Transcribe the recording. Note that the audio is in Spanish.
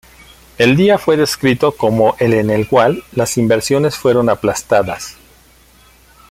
El día fue descrito como el en el cual las inversiones fueron aplastadas.